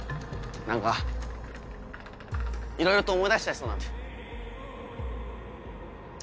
何かいろいろと思い出しちゃいそうなんで。